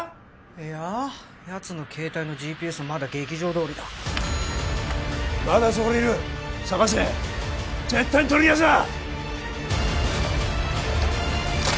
いややつの携帯のＧＰＳはまだ劇場通りだまだそこにいる捜せ絶対に取り逃がすな！